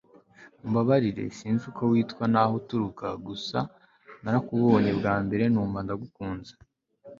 umbabarire sinzi uko witwa naho uturuka gusa narakubonye bwambere numva ndagukunze